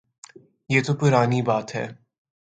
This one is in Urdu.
یہ تو پرانی بات ہے۔